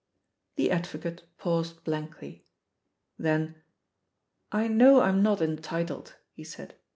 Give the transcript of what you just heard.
The advocate paused blankly. Then "I know I'm not entitled/' he said.